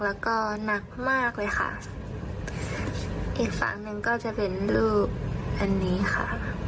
แล้วก็หนักมากเลยค่ะอีกฝั่งหนึ่งก็จะเป็นรูปอันนี้ค่ะ